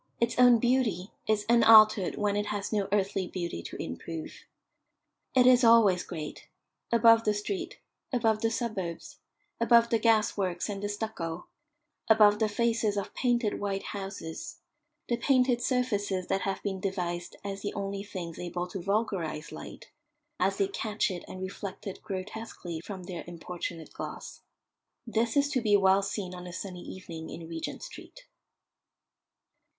Its own beauty is unaltered when it has no earthly beauty to improve. It is always great: above the street, above the suburbs, above the gas works and the stucco, above the faces of painted white houses the painted surfaces that have been devised as the only things able to vulgarise light, as they catch it and reflect it grotesquely from their importunate gloss. This is to be well seen on a sunny evening in Regent Street.